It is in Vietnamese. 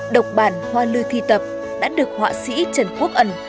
độc bản hoa lưu thi tập đã được họa sĩ trần quốc ẩn